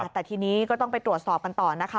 แต่ทีนี้ก็ต้องไปตรวจสอบกันต่อนะคะ